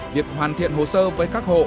việc hoàn thiện hồ sơ với các hộ